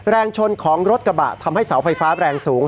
แรงชนของรถกระบะทำให้เสาไฟฟ้าแรงสูง